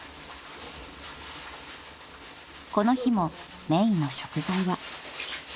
［この日もメインの食材は］